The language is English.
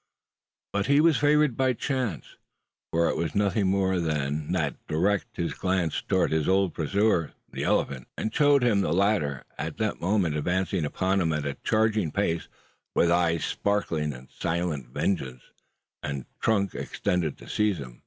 But he was favoured by chance: for it was nothing more that directed his glance towards his old pursuer, the elephant; and showed him the latter, at that moment advancing upon him at a charging pace, with eyes sparkling in silent vengeance, and trunk extended to seize him.